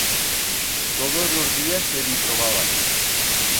Todos los días se bi trobaban.